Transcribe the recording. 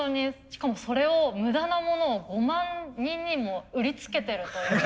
しかもそれを無駄なモノを５万人にも売りつけてるという。